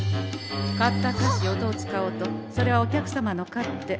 買った菓子をどう使おうとそれはお客様の勝手。